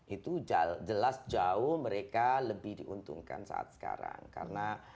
itu jelas jauh mereka lebih diuntungkan saat sekarang karena